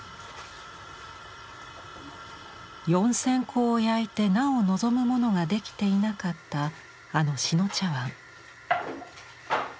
４，０００個を焼いてなお望むものができていなかったあの志野茶碗。